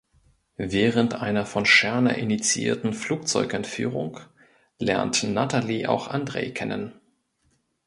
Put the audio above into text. Während einer von Scherner initiierten Flugzeugentführung lernt Nathalie auch Andrej kennen.